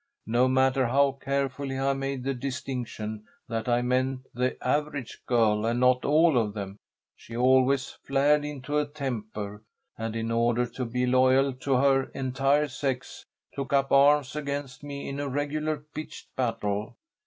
No matter how carefully I made the distinction that I meant the average girl, and not all of them, she always flared into a temper, and in order to be loyal to her entire sex, took up arms against me in a regular pitched battle.